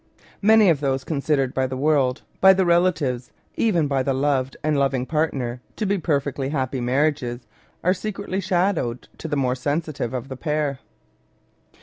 Many of those considered by the world, by the relatives, even by the loved and loving partner, to be perfectly happy marriages, are secretly shadowed to the more sensitive of the pair.